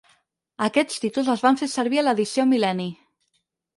Aquests títols es van fer servir a "l'edició mil·lenni".